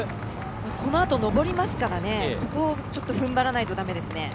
このあと、上りますからふんばらないとだめですね。